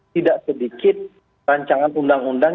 tidak sedikit rancangan undang undang